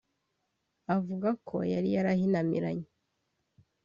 Avuga ko yari yarahinamiramye